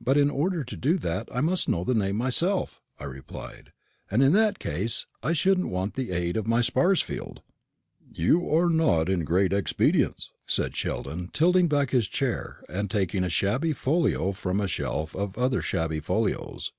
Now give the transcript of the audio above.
"But in order to do that, I must know the name myself," replied I, "and in that case I shouldn't want the aid of my Sparsfield." "You are not great in expedients," said Sheldon, tilting back his chair, and taking a shabby folio from a shelf of other shabby folios.